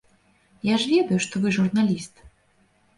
Я ж ведаю, што вы журналіст.